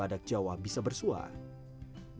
dan badak jawa bisa bersuara